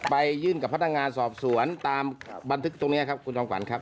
ไปยื่นกับพนักงานสอบสวนตามบันทึกตรงนี้ครับคุณจอมขวัญครับ